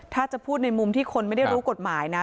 ถ้าจะพูดในมุมที่คนไม่ได้รู้กฎหมายนะ